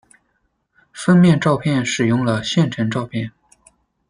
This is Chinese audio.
封面照片使用了现成照片。